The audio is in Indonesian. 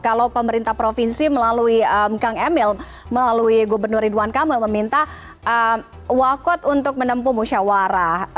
kalau pemerintah provinsi melalui kang emil melalui gubernur ridwan kamil meminta wakot untuk menempuh musyawarah